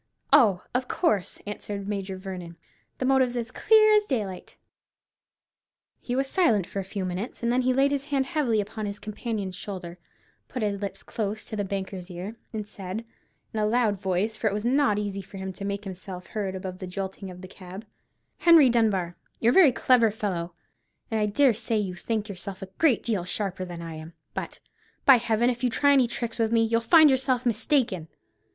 "Oh, of course," answered Major Vernon; "the motive's as clear as daylight." He was silent for a few minutes, then he laid his hand heavily upon his companion's shoulder, put his lips close to the banker's ear, and said, in a loud voice, for it was not easy for him to make himself heard above the jolting of the cab,— "Henry Dunbar, you're a very clever fellow, and I dare say you think yourself a great deal sharper than I am; but, by Heaven, if you try any tricks with me, you'll find yourself mistaken!